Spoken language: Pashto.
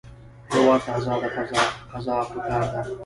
هېواد ته ازاد قضا پکار دی